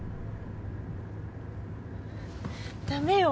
ダメよ。